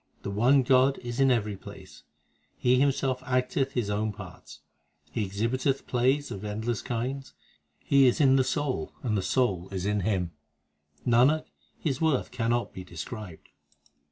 The one God is in every place ; He Himself acteth His own parts ; He exhibiteth plays of endless kinds : He is in the soul, and the soul is in Him ; Nanak, His worth cannot be described.